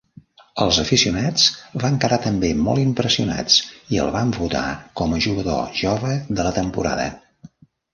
Els aficionats van quedar també molt impressionats, i el van votar com a "jugador jove de la temporada".